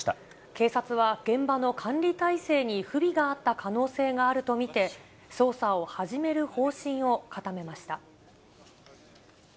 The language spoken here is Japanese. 警察は現場の管理態勢に不備があった可能性があると見て、捜査を始める方針を固めました。